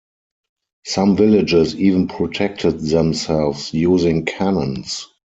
Some villages even protected themselves using cannons.